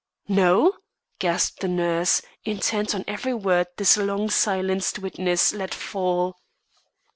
"No?" gasped the nurse, intent on every word this long silenced witness let fall.